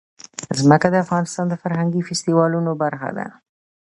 ځمکه د افغانستان د فرهنګي فستیوالونو برخه ده.